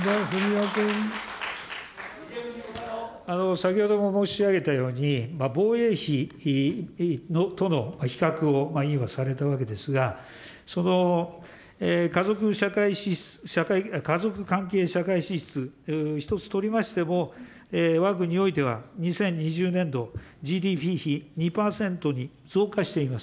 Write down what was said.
先ほども申し上げたように、防衛費との比較を今、されたわけですが、その家族関係社会支出、一つ取りましても、わが国においては、２０２０年度、ＧＤＰ比２％に増加しています。